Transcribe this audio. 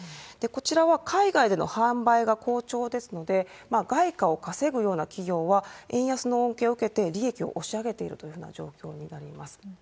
こちらは海外での販売が好調ですので、外貨を稼ぐような企業は、円安の恩恵を受けて利益を押し上げているというような状況になります。